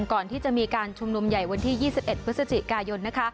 ก่อนที่จะมีการชุมนุมใหญ่วันที่๒๑พฤศจิกายนนะคะ